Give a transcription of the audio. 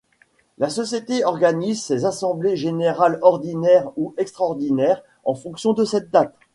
La Société organise ses Assemblées Générales Ordinaires ou Extraordinaires en fonction de cette date.